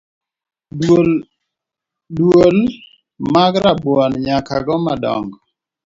Duol mag rabuon nyakago madongo.